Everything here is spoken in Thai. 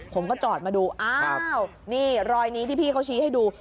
ผมก็จอดมาดูอ้าวนี่รอยนี้ที่พี่เขาชี้ให้ดู